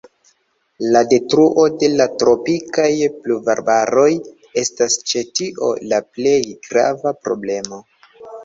La detruo de la tropikaj pluvarbaroj estas ĉe tio la plej grava problemo.